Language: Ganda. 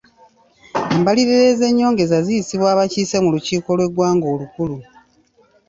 Embalirira ez'ennyongeza ziyisibwa abakiise mu lukiiko lw'eggwanga olukulu.